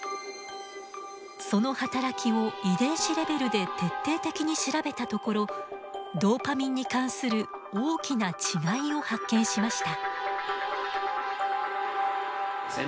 その働きを遺伝子レベルで徹底的に調べたところドーパミンに関する大きな違いを発見しました。